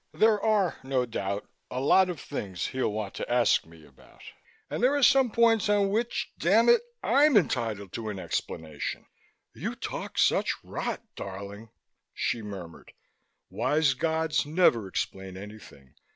There are no doubt a lot of things He'll want to ask me about, but there are some points on which, damn it! I'm entitled to an explanation." "You talk such rot, darling," she murmured. "Wise gods never explain anything.